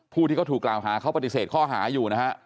ผู้ที่เขาถูกกล่าวหาเขาปฏิเสธข้อหาอยู่นะฮะ